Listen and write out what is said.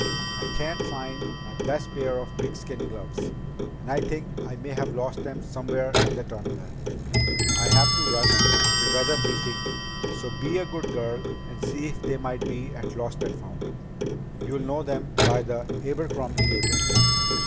I can't find my best pair of pigskin gloves, and I think I may have lost them somewhere in the terminal. I have to rush to weather briefing, so be a good girl and see if they might be at Lost and Found. You'll know them by the Abercrombie label."